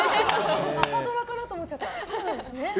朝ドラかなと思っちゃった。